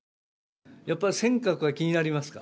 やっぱり尖閣が気になりますか？